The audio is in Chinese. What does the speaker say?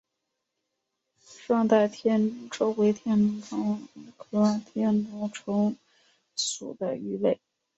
双带天竺鲷为天竺鲷科天竺鲷属的鱼类。